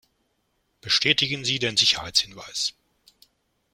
Bestätigen Sie den Sicherheitshinweis.